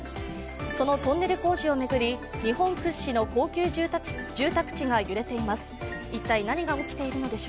そのトンネル工事を巡り日本屈指の高級住宅地が揺れています。